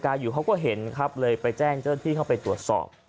อยู่เขาก็เห็นครับเลยไปแจ้งเจ้าหน้าที่เข้าไปตรวจสอบ